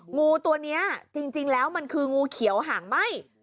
งูตัวนี้จริงแล้วมันคืองูเขียวหางไหม้